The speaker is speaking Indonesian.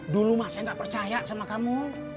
dulu mas saya gak percaya sama kamu